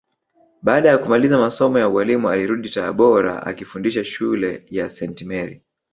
Baada ya kumaliza masomo ya ualimu alirudi Tabora akifundisha shule ya Senti Meri